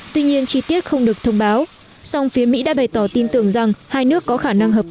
tuy nhiên chi tiết không được thông báo song phía mỹ đã bày tỏ tin tưởng rằng hai nước có khả năng hợp tác